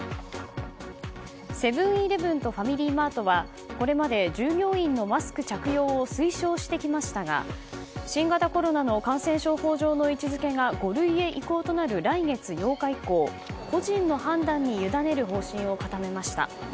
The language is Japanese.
セブン‐イレブンとファミリーマートはこれまで従業員のマスク着用を推奨してきましたが新型コロナの感染症法上の位置づけが５類へ移行となる来月８日以降個人の判断に委ねる方針を固めました。